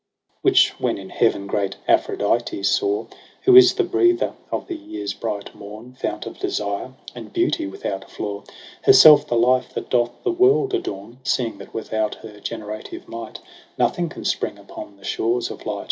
II Which when in heaven great Aphrodite saw, Who is the breather of the year's bright mom. Fount of desire and beauty without flaw, Herself the life that doth the world adorn 3 Seeing that without her generative might Nothing can spring upon the shores of light.